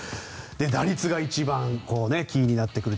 打率が一番キーになってくる。